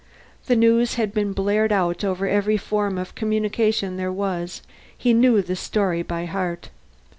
The news had been blared out over every form of communication there was; he knew the story by heart.